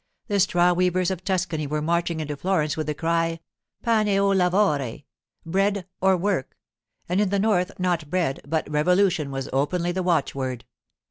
The straw weavers of Tuscany were marching into Florence with the cry, 'Pane o lavore!'—'Bread or work!'—and in the north not bread, but revolution was openly the watchword.